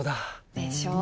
でしょ？